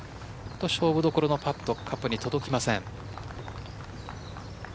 勝負どころのパットカップに届きません。